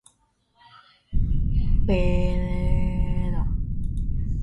El arzobispo-obispo de Barcelona, Mons.